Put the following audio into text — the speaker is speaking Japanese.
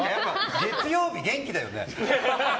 月曜日、元気だよね。